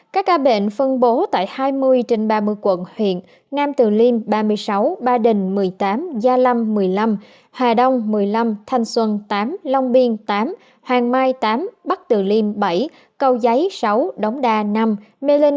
các ca bệnh phân bố tại hai mươi trên ba mươi quận huyện nam từ liêm ba mươi sáu ba đình một mươi tám gia lâm một mươi năm hà đông một mươi năm thanh xuân tám long biên tám hoàng mai tám bắc từ liêm bảy cầu giấy sáu đống đa năm mê linh năm hoài đức bốn đồng anh năm